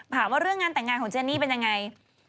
เรื่องงานแต่งงานของเจนนี่เป็นยังไง